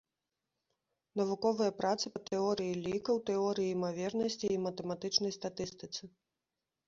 Навуковыя працы па тэорыі лікаў, тэорыі імавернасцей і матэматычнай статыстыцы.